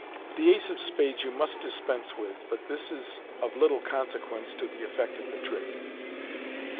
The ace of spades you must dispense with, but this is of little consequence to the effect of the trick.